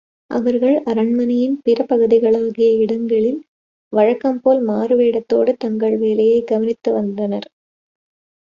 அவர்கள் அரண்மனையின் பிற பகுதிகளாகிய இடங்களில் வழக்கம்போல் மாறு வேடத்தோடு தங்கள் வேலையைக் கவனித்து வந்தனர்.